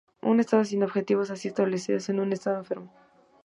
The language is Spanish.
Un Estado sin objetivos así establecidos es un Estado enfermo.